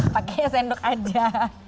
pakainya sendok aja